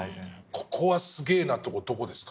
ここはすげぇなってとこどこですか？